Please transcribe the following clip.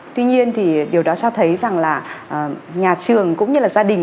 tuy nhiên thì điều đó cho thấy rằng là nhà trường cũng như là gia đình